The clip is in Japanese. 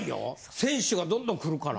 選手がどんどん来るから。